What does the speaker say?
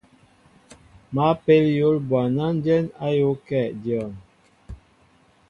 Ma pél yǒl ɓɔwnanjɛn ayōōakɛ dyon.